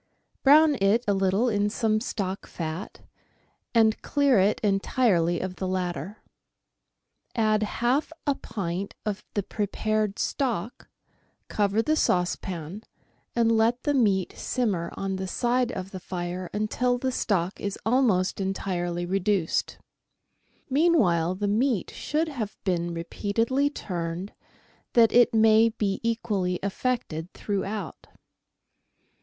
Brown it a little in some stock fat, and clear it entirely of the latter. Add half a pint of the prepared stock, cover the saucepan, and let the meat simmer on the side of the fire until the stock is almost entirely reduced. Mean while the meat should have been repeatedly turned, that it may be equally affected throughout.